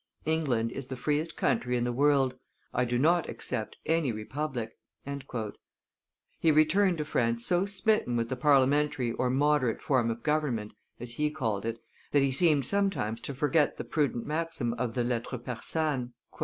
England is the freest country in the world; I do not except any republic." He returned to France so smitten with the parliamentary or moderate form of government, as he called it, that he seemed sometimes to forget the prudent maxim of the Lettres persanes.